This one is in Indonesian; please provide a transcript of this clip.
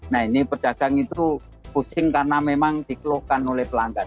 nah ini pedagang itu pusing karena memang dikeluhkan oleh pelanggan